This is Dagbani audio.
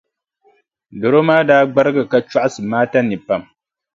Dɔro maa daa gbarigi ka chɔɣisi Maata nii pam.